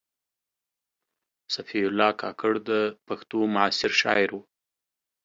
صفي الله کاکړ د پښتو معاصر شاعر و.